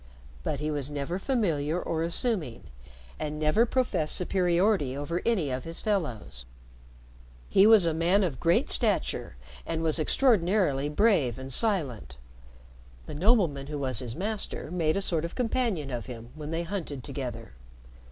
But he never was familiar or assuming, and never professed superiority over any of his fellows. He was a man of great stature, and was extraordinarily brave and silent. The nobleman who was his master made a sort of companion of him when they hunted together.